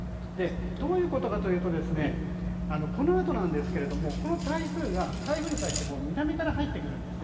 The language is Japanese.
どういうことかというとこのあとなんですが台風に対して南から入ってくるんです。